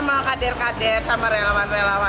tadi kayaknya sudah semuanya